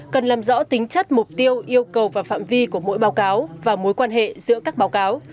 cần làm rõ tính chất mục tiêu yêu cầu và phạm vi của mỗi báo cáo và mối quan hệ giữa các báo cáo